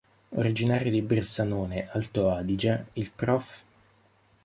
Originario di Bressanone, Alto-Adige, il Prof.